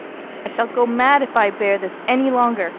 I shall go mad if I bear this any longer.